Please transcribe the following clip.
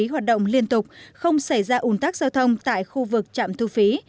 trạm thu phí hoạt động liên tục không xảy ra ủng tác giao thông tại khu vực trạm thu phí